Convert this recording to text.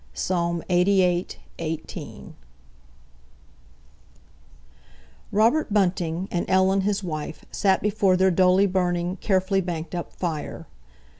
PSALM lxxxviii. 18 CHAPTER I. Robert Bunting and Ellen his wife sat before their dully burning, carefully banked up fire.